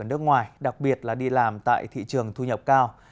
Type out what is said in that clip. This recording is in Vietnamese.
ở nước ngoài đặc biệt là đi làm tại thị trường thu nhập cao